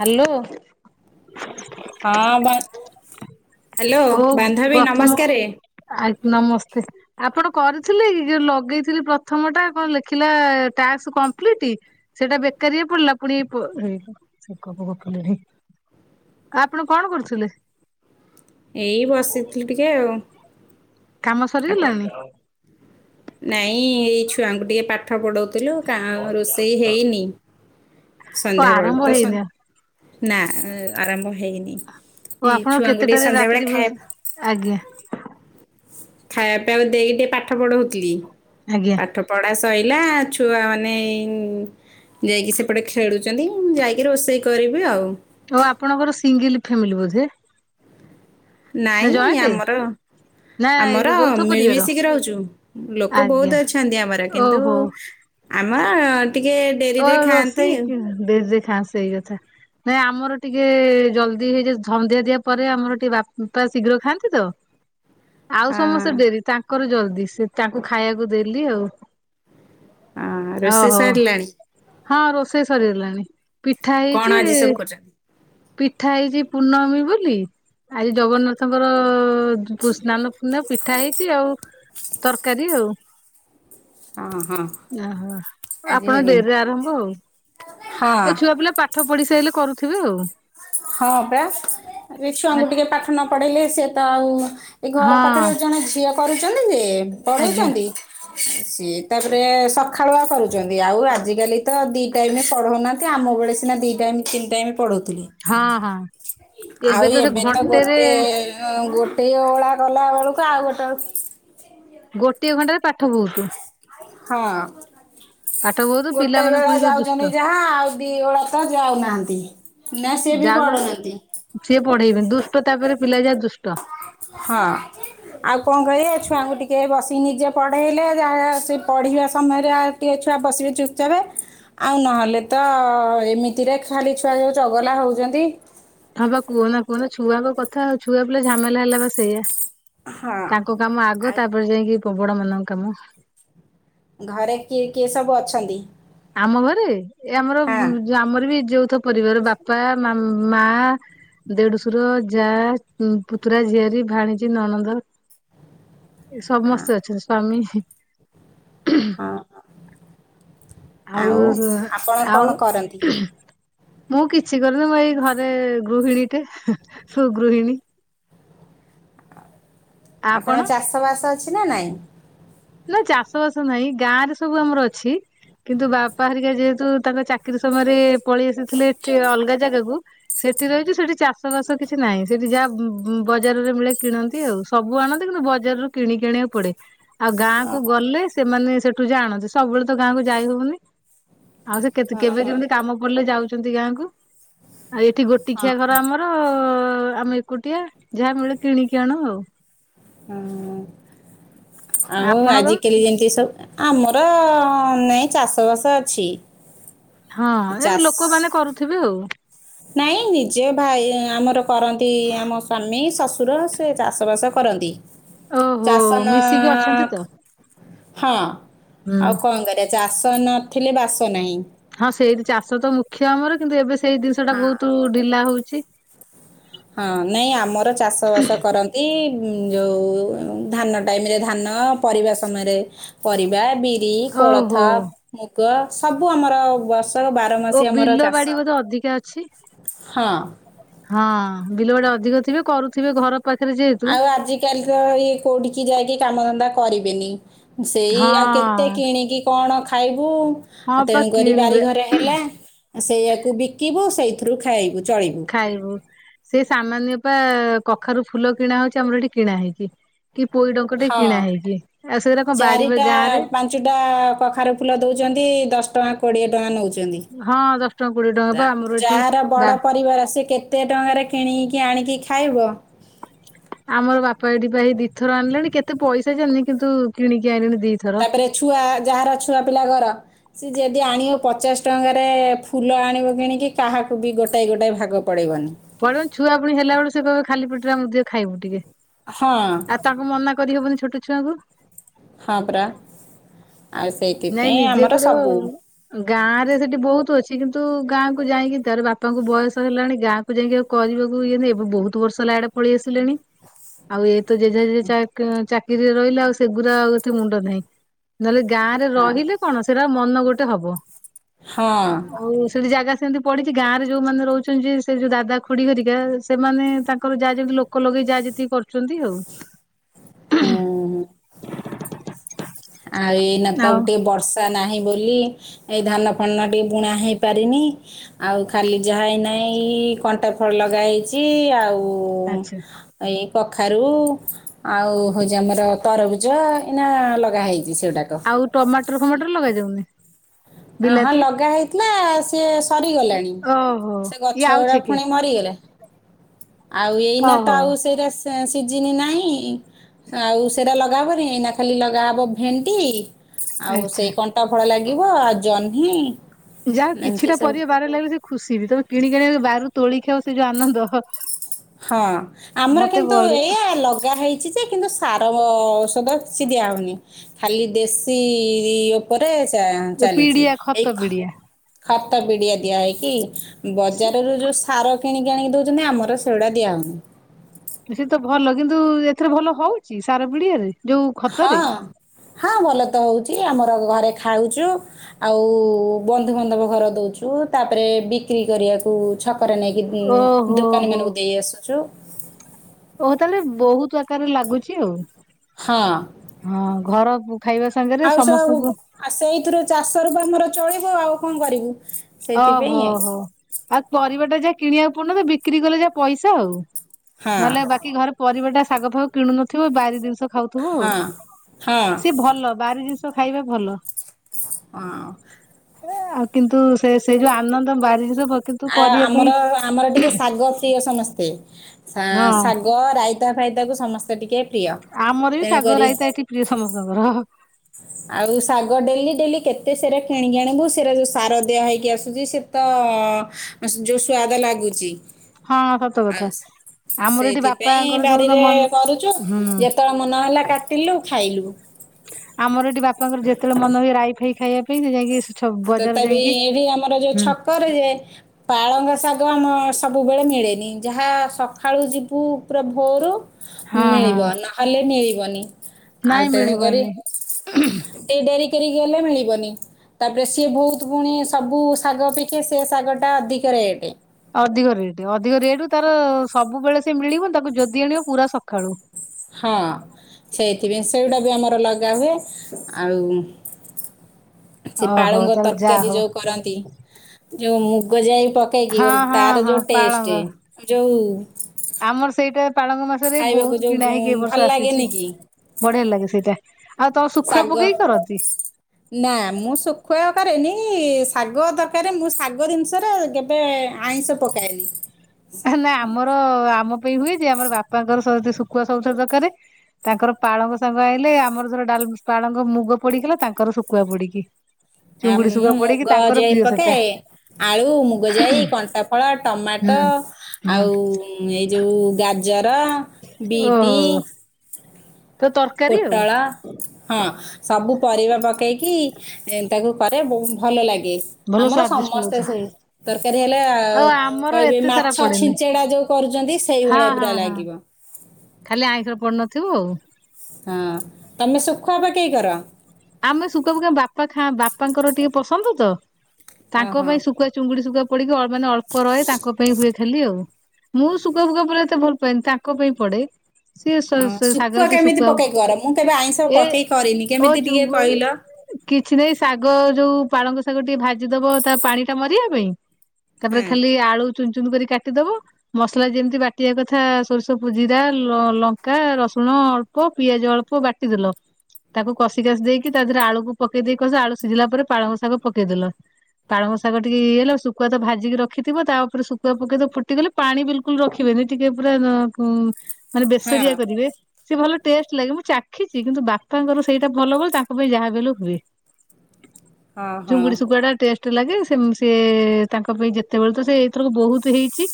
Hello. ହଁ ବା। Hello ଓ ବାନ୍ଧବୀ ପ୍ରଥମ ନମସ୍କାରେ। ଆ ନମସ୍ତେ ଆପଣ କରିଥିଲେ ଇ ଯୋଉ ଲଗେଇଥିଲି ପ୍ରଥମଟା କଁ ଲେଖିଲା ଟାସ କ କଂପ୍ଲିଟ୍ ସେଇଟା ବେକାରିଆ ପଳିଲା ପୁଣିି ଏଇ ପ ହେଇ ଲୋ ସେ ଗପ ଗପିଲିଣି। ଆ ଆପଣ କଣ କରୁଥୁଲେ? ଏଇ ବସିଥିଲୁ ଟିକେ ଆଉ। କାମ ଆପଣ ସରିଗଲାଣି? ନାଇଁ ଏଇ ଛୁଆଙ୍କୁ ଟିକେ ପାଠ ପଢ଼ଉଥିଲୁ। କା ରୋଷେଇ ହେଇନି ଓ ସନ୍ଧ୍ୟା ବେଳ ଆରମ୍ଭ ତ ସଂ ହେଇନି ଓ ନାଁ ଉ ଆରମ୍ଭ ହେଇନି ଏଇ ଆପଣ ଛୁଆଙ୍କୁ ଟିଏ କେତେଟାରେ ସନ୍ଧ୍ୟା ବେଳେ ରାତ୍ରି ଭୋଜ ଖାୟା ଆଜ୍ଞା ଖାଇଆ ପିଇଆକୁ ଦେଇ ଟିଏ ପାଠ ପଢ଼ଉଥିଲି ଆଜ୍ଞା ପାଠ ପଢ଼ା ତଇଲା ଛୁଆମାନେ ଏଇ ଯାଇକି ସେପଟେ ଖେଳୁଚନ୍ତି ଉଁ ଯାଇକି ରୋଷେଇ କରିବି ଆଉ। ଓ ଆପଣଙ୍କର ସିଙ୍ଗଲ୍ ଫେମିଲି ବୋଧେ? ନା ନାଇଁ ଜଏଣ୍ଟ ଆମର ନା ଆମର ଯୌଥ ପରିବାର ମିଳିମିଶିକି ରହୁଚୁ ଲୋକ ବହୁତ ଆଜ୍ଞା ଅଛନ୍ତି ଆମର କିନ୍ତୁ ଓହୋ ଆ ମା ଓ ରୋଷେଇ କି ଦେଇ ଦେଇଥା ସେଇ କଥା। ନାଇଁ ଆମର ଟିକେ ଜଲ୍ଦୀ ହେଇଯା ଝଂଧ୍ୟା ଦିଆ ପରେ ଆମର ଟିକେ ବାପା ଶୀଘ୍ର ଖାଆନ୍ତି ତ ଆଉ ହଁ ସମସ୍ତେ ଡେରି ତାଙ୍କର ଜଲ୍ଦୀ ସେ ତାଙ୍କୁ ଖାଇଆକୁ ଦେଲି ଆଉ। ଅଁ ହଁ ରୋଷେଇ ଓହୋ ସରିଲାଣି? ହଁ ରୋଷେଇ ସରିଅଲାଣି ପିଠା କଣ ଆଜି ସବୁ ହେଇଚି କରୁଛନ୍ତି? ପିଠା ହେଇଚି ପୂର୍ଣ୍ଣମୀ ବୋଲି ଆଜି ଜଗନ୍ନାଥଙ୍କର ଉ ଜୁ ପୁ ସ୍ନାନ ପୂର୍ଣ୍ଣିଆ ପିଠା ହେଇଚି ଆଉ ତରକାରୀ ଆଉ। ହଁ ହଁ ୟହ ଆଜି ଆପଣ ଡେରିରେ ଆରମ୍ଭ ଆଉ। ହଁ ଏ ଛୁଆ ପିଲା ପାଠ ପଢ଼ି ସାଇଲେ କରୁଥିବେ ଆଉ। ହଁ ପା ଆ ବି ଛୁଆଙ୍କୁ ଟିକେ ପାଠ ନ ପଢ଼େଇଲେ ସିଏ ତ ଆଉ ଏ ହଁ ଘର ପାଖରେ ଜଣେ ଝିଅ କରୁଚନ୍ତି ଯେ ଆଜ୍ଞା ପଢ଼ଉଚନ୍ତି ସିଏ ତାପରେ ସଖାଳୁଆ କରୁଚନ୍ତି ଆଉ ଆଜିକାଲି ତ ଦି ଟାଇମ୍ ପଢ଼ଉନାହାନ୍ତି ଆମ ବେଳେ ସିନା ଦି ଟାଇମ୍ ତିନି ଟାଇମ୍ ପଢ଼ଉଥୁଲେ। ହଁ ହଁ। ଆଉ ଏବେ ତ ଗୋଟେ ଅ ଗୋ ଟେ ଅଳା କଲା ଅଳୁକୁ ଆଉ ଗୋଟେ ଗୋଟିଏ ଘଣ୍ଟାରେ ପାଠ ବୋହୁତୁ। ହଁ ଗୋଟେ ବେଳା ଯାଉଚନ୍ତି ଯାହା ଆଉ ଦି ଓଳା ତ ଯାଉନାହାନ୍ତି। ନାଁ ସିଏ ବି ପଢ଼ଉନାହାନ୍ତି। ପଢ଼େଇବେନ୍ ଦୁଷ୍ଟ ତାପରେ ପିଲା ଯା ହଁ ଆଉ କଁ କରିଆ ଛୁ ହୁଆଙ୍କୁ ଟିକେ ବସି ନିଜେ ପଢ଼େଇଲେ ଯାହା ସେ ପଢ଼ିବା ସମୟରେ ଆଉ ଟିକେ ଛୁଆ ବସିବେ ଚୁପଚାପେ। ଆଉ ନହେଲେ ତ ଏମିତିରେ ଖାଲି ଛୁଆ ଯୋଉ ଚଗଲା ହଉଚନ୍ତି। ହଁ ବା କୁହନା କୁହନା ଛୁଆଙ୍କ କଥା ଆଉ ଛୁଆ ପିଲା ଝାମେଲା ହେଲା ବା ସେଇଆ। ହଁ ତାଙ୍କ କାମ ଆଗ ଆଉ ତାପରେ ଯାଇଁକି ପ ବଡ଼ମାନଙ୍କ କାମ। ଘରେ କିଏ କିଏ ସବୁ ଅଛନ୍ତି? ଆମ ଘରେ ଏ ଆମର ହଁ ଉଁ ଯ ଆମର ବି ଯୋଉ ଥ ପରିବାର ବାପା ମାମ୍ ମା ଦେଡ଼ୁଶୁର ଯାଆ ପୁତୁରା ଝିଆରୀ ଭାଣିଜୀ ନଣନ୍ଦ ଏ ସମସ୍ତେ ଅଛନ୍ତି ସ୍ଵାମୀ। ହଁ ହଁ। ଆଉ ଆଉ। ମୁଁ କିଛି କରୁନି ମୁଁ ଏଇ ଘରେ ଗୃହିଣୀଟେ ସୁଗୃହିଣୀ। ଆପଣ ଚାଷବାସ ଅଛି ନା ନାଇଁ? ନା ଚାଷ ବାସ ନାହିଁ ଗାଁ ରେ ସବୁ ଆମର ଅଛି। କିନ୍ତୁ ବାପା ହେରିକା ଯେହେତୁ ତାଙ୍କ ଚାକିରି ସମୟରେ ପଳେଇ ଆସିଥିଲେ ଏଠି ଅଲଗା ଜାଗାକୁ ସେ ସେଠି ରହିଚି ସେଠି ଚାଷ ବାସ କିଛି ନାହିଁ ସେଠି ଯାହା ବ-ବ-ବଜାରରେ ମିଳେ କିଣନ୍ତି ଆଉ ସବୁ ଆଣନ୍ତି କିନ୍ତୁ ବ ବଜାରରୁୁ କିଣିକି ଆଣିବାକୁ ପଡେ। ଆଉ ଗାଁ କୁ ଓହୋ ଗଲେ ସେମାନେ ସେଠୁ ଜାଣନ୍ତି ସବୁବେଳେ ତ ଗାଁ କୁ ଯାଇ ହଉନି। ଆଉ ସେ କେତେ ହଁ କେବେ ହଁ କେମିତି କାମ ପଡିଲେ ଯାଉଛନ୍ତି ଗାଁ କୁ। ଆଉ ଏଠି ଗୋଟି ହଁ ଖିଆ ହଁ। ଘର ଆମର। ଆମେ ଏକୁଟିଆ ଯାହା ମିଳେ କିଣିକି ଆଣୁ ଆଉ। ହୁଁ ଆଉ ଆପଣଙ୍କ ଆଜିକାଲି ଯେମିତି ସବୁ ଆମ ର ନାଇଁ ଚାଷ ବାସ ଅଛି। ହଁ ଏ ଚାଷ ଲୋକମାନେ କରୁଥିବେ ଆଉ। ନାଇଁ ନିଜେ ଭାଇ ଆମର କରନ୍ତି ଆମ ସ୍ଵାମୀ ଶ ଶୁର ସେ ଚାଷ ବାସ କରନ୍ତି ଓହୋ ଚାଷ ନ ମିଶିକି ଅଛନ୍ତି ତ ହଁ ହୁଁ ଆଉ କଣ କରିବା ଚାଷ ନଥିଲେ ବାସ ନାହିଁ। ହଁ ସେଇଠି ଚାଷ ତ ମୁଖ୍ୟ ଆମର କିନ୍ତୁ ଏବେ ସେଇ ଜିନିଷ ଟା ହଁ ବହୁତୁ ଢିଲା ହଉଚି। ହଁ ନାଇଁ ଆମର ଚାଷ ବାସ କରନ୍ତି। ଯୋଉ ଧାନ ଟାଇମ ରେ ଧାନ ପରିବା ସମୟରେ ପରିବା ବି ଇ କୋଳଥ ଓହୋ ମୁଗ ସବୁ ଆମର ବ ଓ ବିଲ ବାଡି ବୋଧେ ଅଧିକା ଅଛି ହଁ ହଁ। ବିଲ ବାଡି ଅଧିକ ଥିବେ କରୁଥିବେ ଘର ପାଖରେ ଯେହେତୁ ଆଉ ଆଜିକାଲି ତ ଇଏ କୋଉଠିକି ଯାଇକି କାମ ଧନ୍ଦା କରିବେନି। ସେଇ ଆଉ କେତେ ହଁ କିଣିକି କଣ ଖାଇ ବୁ ହଁ ପା ତେଣୁ କରି କିଣିବେ ବାରିଘରେ ହେଲା ସେଇୟାକୁ ବିକିବୁ ସେଇଥିରୁ ଖାଇବୁ। ଚଳିବୁ ଖାଇବୁ ସେ ସାମାନ୍ୟ ପା କଖାରୁ ଫୁଲ କିଣା ହଉଛି ଆମର ଏଠି କିଣା ହେଇଛିି। ହଁ ସେଗୁରା କଣ ବାଡି ବା ଚାରିଟା ଗାଁ ରେ ପାଞ୍ଚଟା କଖାରୁ ଫୁଲ ଦଉଚ ଦଶ ଟଙ୍କା କୋଡିଏ ଟଙ୍କା ନଉଚ ହଁ ଟଙ୍କା କୋଡିଏ ଟଙ୍କା ପା ଆମର ଏଠି ଯାହାର ବା ବଡ ପରିବାର ସେ କେତେ ଟଙ୍କାରେ କିଣିକି ଆଣିକି ଖାଇବ। ଆମର ବାପା ଏଇଠି ପା ଦି ଥର ଆଣିଲେଣି କେତେ ପଇସା ଜାଣିନି କିନ୍ତୁ କିଣିକି ଆଣିଲେ ତାପରେ ଛୁଆ ଯାହାର ଛୁଆ ପିଲା ଘର ଯଦି ଆଣିବ ପଚାଶ ଟଙ୍କାରେ ଫୁଲ ଆଣିବ କିଣିକି କାହାକୁ ବି ଗୋଟାଏ ଗୋଟାଏ ଭାଗ ପଡ଼େଇବନି। ପଳିବ ଛୁଆ ପୁଣି ହେଲା ବେଳକୁ ସେ କହିବେ ଖାଲି ପେଟରେ ଆମକୁ ଦିଅ ଟିକିଏ ଖାଇବୁ ଟିକେ। ହଁ ଆଉ ତାଙ୍କୁ ମନା କରିହବନି ଛୋଟ ଛୁଆଙ୍କୁ। ହଁ ପରା। ଆଉ ନାଇଁ ସେଇଥିପାଇଁ ନିଜେ ଆମର ସବୁ ଗୋଟେ ଗାଁ ରେ ସେଠି ବହୁତ ଅଛି। କିନ୍ତୁ ଗାଁକୁ ଯାଇକି ତାର ବାପାଙ୍କୁ ବୟସ ହେଲାଣି ଗାଁକୁ ଯାଇକି ଆଉ କରିବାକୁ ଇଏ ନାହିଁ ଏବେ ବହୁତ ବର୍ଷ ହେଲା ଇଆଡେ ପଳେଇ ଆସିଲେଣି ଆଉ ତ ଜେଜେଜେଜେ ଚାକିରିରେ ରହିଲା ଆଉ ସେଗୁଡା ଆଉ ଏତେ ମୁଣ୍ଡ ନାହିଁ ନହେଲେ ଗାଁ ହଁ ରହିଲେ କଣ ସେରା ମନ ଗୋଟେ ହବ ହଁ ଆଉ ସେଠି ଜାଗା ସେମିତି ପଡିଛି ଗାଁରେ ଯୋଉମାନେ ରହୁଛନ୍ତି ସେ ଯୋଉ ଦାଦା, ଖୁଡି ହେରିକା ସେମାନେ ତାଙ୍କର ଯାହା ଯେମିତି ଲୋକ ଲଗେଇ ଯା ଯେତିକି କରୁଛନ୍ତି ଆଉ। ହୁଁ ଆଉ ଏଇନା ତ ଆଉ ଗୋଟେ ବର୍ଷା ନାହିଁ। ବୋଲି ଏଇ ଧାନ ଫଳ ଟିକେ ବୁଣା ହେଇ ପାରିନି ଆଉ ଖାଲି ଯାହା ଏଇନା ଏଇ କଣ୍ଟା ଫଳ ଲଗା ହେଇଛି ଆଉ ଆଚ୍ଛା। ଏଇ କଖାରୁ ଆଉ ହଉଛି ଆମର ତରଭୁଜ ଇନା ଲଗା ହେଇ ଆଉ ଟମାଟର ଫମାଟର ଲଗେଇ ଦଉନି ଅ ହଁ ଲଗା ହେଇଥିଲା। ସିଏ ସରିଗଲାଣି, ଓହୋ ସେ ଇଏ ଗଛ ଆଉଛେ ଗୁଡା କି ପୁଣି ମରିଗଲେ। ଆଉ ଏଇନା ତ ଓହୋ ଆଉ ସେଇଟା ସେ ସିଝିନି ନାହିଁ ଆଉ ସେଇଟା ଲଗାହବନି ଏନା ଖାଲି ଲଗାହେବ ଭେଣ୍ଟି ଆଉ ଆଚ୍ଛା। ସେଇ କଣ୍ଟା ଫଳ ଲାଗିବ। ଜହ୍ନି ଯାହା ଏମିତି କିଛିଟା ସବୁ ପରିବା ବାହାରେ ଲାଗିଛି ଖୁସି ବି ତମେ କିଣ କିିଣିବା ବାହାରୁ ତୋଳି ଖାଇବ ସେ ଯୋଉ ଆନନ୍ଦ ହ ହଁ ଆମର କିନ୍ତୁ ଏଇୟା ଲଗା ହେଇଛି ଯେ କିନ୍ତୁ ସାର ଔଷଧ ସି ଦିଆହଉନି ଖାଲି ଦେଶୀ ଉପରେ ଚାଲିଛି ପିଡିଆ ଏଇ ଖତ ପିଡିଆ। ଖତ ପିଡିଆ ଦିଆ ହେଇକି ବଜାରରୁ ଯୋଉ ସାର କିଣିକି ଆଣିକି ଦଉଛନ୍ତି ଆମର ସେଗୁଡା ଦିଆହୋଉନି। ସେ ତ ଭଲ। କିନ୍ତୁ ଏଥିରେ ଭଲ ହଉଛି ସାର ବିଡିଆରେ ହଁ ହଁ ଭଲ ତ ହଉ ଆମର ଘରେ ଖାଉଛୁ ଆଉ ବନ୍ଧୁବାନ୍ଧବ ଘର ଦଉଛୁ। ତାପରେ ବିକ୍ରି କରିବାକୁ ଛକରେ ନେଇକି ଓହୋ ଦୋକାନୀମାନାନଙ୍କୁ ଦେଇ ଆସୁଛୁ। ଓ ତାହେଲେ ବହୁତ ଆକାରରେ ଲାଗୁଛି ଆଉ ହଁ ହଁ ଘର ଖାଇବା ସାଙ୍ଗରେ ଆଉ ସୁ ସମସ୍ତଙ୍କୁ ସେଇଥିରୁ ଚାଷ ରୂପ ଆମର ଚଳିବୁ ଆଉ କଣ କରିବୁ? ସେଇଥିପାଇଁ ଆଉ ଓହୋହୋ ଆଉ ପରିବା ଟା ଯାହା କିଣିବାକୁ ପଡୁନି ତ ବିକ୍ରି କଲେ ଯାହା ପଇସା ଆଉ। ନହେଲେ ବାକି ଘରେ ପରିବା ଟା ଶାଗ ଫାଗ କିଣୁ ନଥିବ ବାରି ଜିନିଷ ଖାଉଥିବ ଆଉ ହଁ ହଁ ହଁ ସେ ଭଲ ବାରି ଜିନିଷ ଖାଇବା ଭଲ। ହଁ। ଆଉ କିନ୍ତୁ ସେ ସେ ଯୋଉ ଆନନ୍ଦ ବାରି କିନ୍ତୁ ଆ କରିବା ପାଇଁ ଆମର ଆମର ଟିକେ ଶାଗ ପ୍ରିୟ ସମସ୍ତେ ହଁ ଶାଗ ରାଇତା ଫାଇଦାକୁ ସମସ୍ତେ ଟିକେ ପ୍ରିୟ ଆମର ବି ତେଣୁକରି ଶାଗରାଇତା ଏଠି ପ୍ରିୟ ସମସ୍ତଙ୍କର। ଆଉ ଶାଗ ଡେଲି ଡେଲି କେତେ ସେରା କିଣିକି ଆଣିବୁ ସେରା ଯୋଉ ସାର ଦିଆ ହେଇକି ଆସୁଛି ସେ ତ ଯୋଉ ସ୍ଵାଦ ଲାଗୁଛି ହଁ ସତ ଆଉ କଥା। ଆମର ଏଠି ସେଇଥିପାଇଁ ବାପାଙ୍କର ଯୋଉଦିନ ବାରିରେ ମନ କରୁଛୁ ହୁଁ ଯେତେବେଳେ ମନ ହେଲା କାଟିଲୁ ଖାଇଲୁ। ଆମର ଏଠି ବାପାଙ୍କର ଯେତେବେଳେ ମନ ହୁଏ ରାଇ ଫାଇ ଖାଇବା ପାଇଁ ସେ ଯାଇକି ଛ ବଜାର ତଥାପି ଯାଇକି ବି ଆମର ଯୋଉ ହୁଁ ଛକରେ ପାଳଙ୍ଗ ଶାଗ ଆମ ସବୁବେଳେ ମିଳେନି ଯାହା ସକାଳୁ ଯିବୁ ପୁରା ଭୋରୁ ହଁ ମିଳିବ ହଁ। ନହେଲେ ମିଳିବନି। ଆଉ ନାଇଁ ତେଣୁ କରି ମିଳିବନି ଟି ଡେରି କରିକି ଗଲେ ମିଳିବନି ତା ରେ ସିଏ ବହୁତ ପୁଣି ସବୁ ଶାଗ ଅପେକ୍ଷା ସେ ଶାଗଟା ଅଧିକ ରେଟ୍। ଅଧିକ ରେଟ୍ ଅଧିକ ରେଟ ରୁ ତାର ସବୁବେଳେ ସେ ମିଳିବନି ତାକୁ ଯଦି ଆଣିବ ପୁରା ସକାଳୁ। ହଁ ସେଇଥିପାଇଁ ସେଇଗୁଟା ବି ଆମର ଲଗା ହୁଏ। ଆଉ [inaudible] ସେ ଓହୋ ପାଳୁଙ୍ଗ ତାହେଲେ ଯା ତରକାରୀ ହଉ ଯଉଁ କରନ୍ତି ଯୋଉ ମୁଗ ଯାଇ ପକେଇକି ହଁ ହଁ ତାର ହଁ ଯୋଉ ପାଳଙ୍ଗ ଟେଷ୍ଟ ଯୋଉ ଆମର ସେଇଟା ପାଳଙ୍ଗ ମାସରେ ଖାଇବାକୁ ବହୁତ ଯୋଉ କିଣା ଉଁ, ହେଇକି ଏ ଭଲ ବର୍ଷ ଆସିଛି ଲାଗେନି କି ବଢିଆ ଲାଗେ ସେଇଟା। ଆଉ ତମ ଶୁଖୁଆ ଶାଗ ପକେଇକି କରନ୍ତି ନା ମୁଁ ଶୁଖୁଆ କରେନି। ଶାଗ ଦରକାର ମୁଁ ଶାଗ ଜିନିଷରେ କେବେ ଆଇଁଷ ପକାଏନି। ନା ଆମର ଆମ ହୁଏ ଯେ ଆମର ବାପାଙ୍କର ସବୁଥିରେ ଶୁଖୁଆ ସବୁଥିରେ ଦରକାରେ ତାଙ୍କର ପାଳଙ୍ଗ ସାଙ୍ଗ ଆଇଁଲେ ଆମର [unintelligible] ପାଳଙ୍କ ମୁଗ ପଡ଼ିଗଲା ତାଙ୍କର ଶୁଖୁଆ ପୋଡିକି ଆ ମୁଁ ମୁଗ ଜାଇ ପକାଏ। ଆଳୁ, ମୁଗ ଯାଇ, କଣ୍ଟାଫଳ, ଟମାଟ ହୁଁ ହୁଁ ଆଉ ଏଇ ଯୋଉ ଗାଜର, ବିଟି ଓହୋ ତ ତରକାରୀ ଆଉ ପୋଟଳ ହଁ ସବୁ ପରିବା ପକେଇକି ଏ ତାକୁ କରେ ବୋହୁ ଭଲ ଲାଗ୍ ଗେ ଭଲ ଆମର ସ୍ଵାଦିଷ୍ଟ ସମସ୍ତେ ଲାଗୁଥିବ ସେଇ ତରକାରୀ ହେଲେ ଆଉ ଆମର କହିବେ ଏତେ ସାରା ମାଛ ପଡେନି ଛିଞ୍ଚେଡା ଯୋଉ କରୁଚନ୍ତି ହଁ ସେଇଭଳିଆ ହଁ ପୁରା ହଁ ଲାଗିବ। ଖାଲି ଆଇଁଷରେ ପୋଡ଼ିନଥିବୁ ହଁ ତମେ ଶୁଖୁଆ ପକେଇ କର? ଆମେ ସୁଖୁଆ ପକେଇ ବାପା ଖାଁ ବାପାଙ୍କର ଟିକେ ପସନ୍ଦ ତ ହଁ ତାଙ୍କ ହଁ ପାଇଁ ଶୁକୁଆ ଚୁଙ୍ଗୁଡି ଶୁଖୁଆ ପୋଡିକି ମାନେ ଅଳ ଅଳ୍ପ ରହେ ତାଙ୍କ ପାଇଁ ହୁଏ ଖାଲି ଆଉ। ମୁଁ ଶୁକୁଆ ଫୁକୁଆ ପୁରା ଏତେ ଭଲ ପାଏନି ତାଙ୍କ ପାଇଁ ପଡେ। ସିଏ ସ ସ ଶୁଖୁଆ ସାଗର ଟିକେ କେମିତି ଶୁକୁଆ ପକେଇ କର ମୁଁ କେବେ ଆଇଁଷ ଏ ପକେଇ କରିନି ଅ କେମିତି ଟିକେ ଚୁଙ୍ଗୁଡି କହିଲ କି ଛିନେଇ ଶାଗ ଯୋଉ ପାଳଙ୍ଗ ଶାଗ ଟିକେ ଭାଜିଦବ ତା ପାଣିଟା ମରିବା ପାଇଁ। ତାପରେ ହୁଁ ଖାଲି ଆଳୁ ଚୁନ ଚୁନ କରି କାଟିଦବ ମସଲା ଯେମିତି ବାଟିବା କଥା ସୋରିଷ, ପୁ ଜିରା, ଲଙ୍କା, ରସ୍ ସୁଣ ଅଳ୍ପ ପିଆଜ ଅଳ୍ପ ବାଟିଦେଲ ତାକୁ କଷି କାଷି ଦେଇକି ତା ଦେହରେ ଆଳୁକୁ ପକେଇ ଦେଇ କଷ ଆଳୁ ସିଜିଲା ପରେ ପାଳଙ୍ଗ ଶାଗ ପକେଇଦେଲ। ପାଳଙ୍ଗ ଶାଗ ଟିକେ ଇଏ ହେଲେ ଆଉ ଶୁକୁଆ ତ ଭାଜିକି ରଖିଥିବ ତାପରେ ଶୁକୁଆ ପକେଇଦବ ଫୁଟିଗଲେ ପାଣି ବିଲକୁଲ ରଖିବେ ପାଣି ଟିକେ ପୁରା ନ କ ମାନେ ହଁ ବେସରିଆ କରିବେ ସେ ଭଲ ଟେଷ୍ଟ ଲାଗେ ମୁଁ ଚାଖିଚି କିନ୍ତୁ ବାପାଙ୍କର ସେଇଟା ଭଲ ବୋଲି ତାଙ୍କ ପାଇଁ ଯାହା ବି ହେଲେ ହୁଏ ହଁ ହଁ ଚୁଙ୍ଗୁଡି ଶୁକୁଆଟା ଟେଷ୍ଟ ଥିର୍ ଲାଗେ ସେମ୍ ସିଏ ତାଙ୍କ ପାଇଁ ଯେତେବେଳେ ତ ସେ ଏଥରକ ବୋହୁତ ହେଇଚି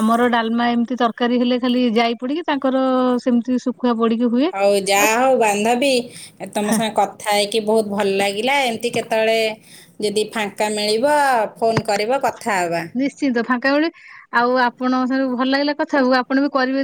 ଆମର ଡାଲମା ଏମତି ତର ତରକାରୀ ହେଲେ ଖାଲି ଯାଇ ପଡିକି ତାଙ୍କର ସେମତି ଶୁକ୍ ହୋଉ ଯାହା ହୋଉ ବାନ୍ଧବି ଏ ତମ ସାଙ୍ଗେ କଥା ହେଇକି ବୋହୁତ ଭଲ ଲାଗିଲା ଏମତି କେତୋଳେ ଯଦି ଫାଙ୍କା ମିଳିବ ଫୋନ କରିବ କ ନିଶ୍ଚିତ ଫାଙ୍କା ବେଳେ ଆଉ ଆପଣଙ୍କ ସାଙ୍ଗରେ ଭଲ ଲାଗିଲା କଥା ହବାକୁ ଆପଣ ବି କରିବେ